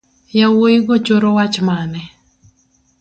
Yawuigo choro wach mane.